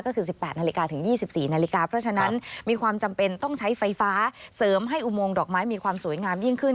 ก็คือ๑๘นาฬิกาถึง๒๔นาฬิกาเพราะฉะนั้นมีความจำเป็นต้องใช้ไฟฟ้าเสริมให้อุโมงดอกไม้มีความสวยงามยิ่งขึ้น